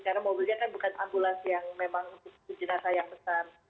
karena mobilnya kan bukan ambulans yang memang jenazah yang besar